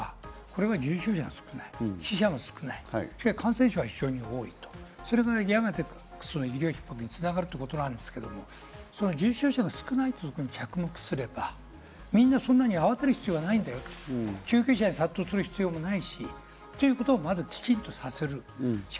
重症者が少ない、感染者が多い、医療ひっ迫に繋がるということですけど、重症者が少ないということに着目すれば、みんなそんなに慌てる必要はないんだよと救急車に殺到する必要もないしということをまずきちんとさせる。